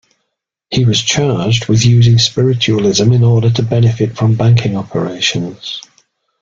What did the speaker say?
He was charged with using spiritualism in order to benefit from banking operations.